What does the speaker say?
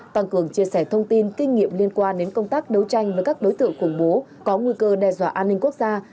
tăng cường chia sẻ thông tin kinh nghiệm liên quan đến công tác đấu tranh với các đối tượng khủng bố có nguy cơ đe dọa an ninh quốc gia